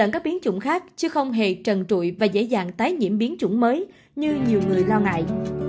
chứ không hề trần trụi và dễ dàng tái nhiễm biến chủng mới như nhiều người lo ngại